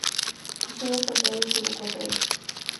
Estuvo casado y tuvo cuatro hijos.